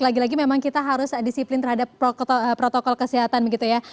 lagi lagi memang kita harus disiplin terhadap protokol kesehatan begitu ya